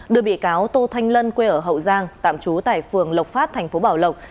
đưa bị cáo tô thanh lân quê ở hậu giang tạm trú tại phường lộc phát thành phố bảo lộc